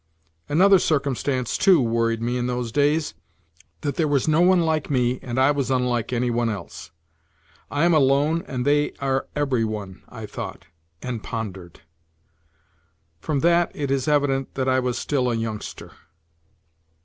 Another circumstance, too, worried me in those days : that there was no one like me and I was unlike any one else. ''I am alone and they are every one," I thought and pondered. From that it is evident that I was still a youngster.